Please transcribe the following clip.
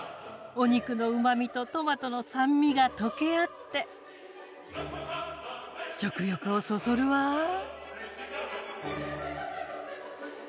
お肉のうまみとトマトの酸味が溶け合って食欲をそそるわぁ。